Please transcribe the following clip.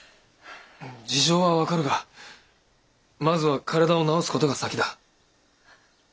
事情は分かるがまずは体を治す事が先だ。